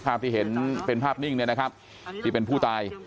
ภาพที่เห็นเป็นภาพนิ่งเนี่ยนะครับที่เป็นผู้ตาย